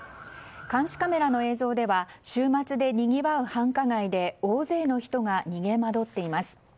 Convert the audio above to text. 監視カメラの映像では週末でにぎわう繁華街で大勢の人が逃げ惑っています。